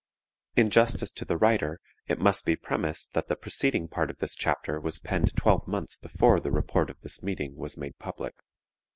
In justice to the writer it must be premised that the preceding part of this chapter was penned twelve months before the report of this meeting was made public.